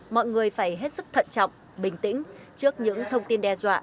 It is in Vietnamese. mọi người phải hết sức thận trọng bình tĩnh trước những thông tin đe dọa